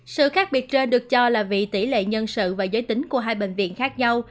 sự khác biệt trên được cho là vì tỷ lệ nhân sự và giới tính của hai bệnh viện khác nhau